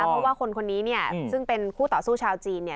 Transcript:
เพราะว่าคนคนนี้เนี่ยซึ่งเป็นคู่ต่อสู้ชาวจีนเนี่ย